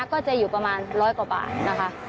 ก็จะอยู่ประมาณร้อยกว่าบาทนะคะ